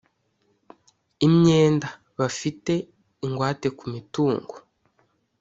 imyenda bafite ingwate ku mitungo